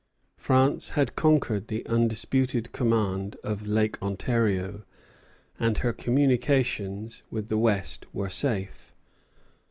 France had conquered the undisputed command of Lake Ontario, and her communications with the West were safe.